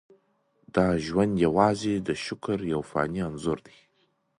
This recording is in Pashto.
دا ژوند یوازې د شکر یو فاني انځور دی.